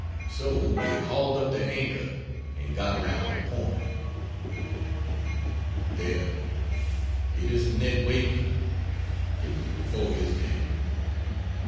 So we hauled up the anchor and got round the point.'" There it isn't Ned Wakeman; it was before his day.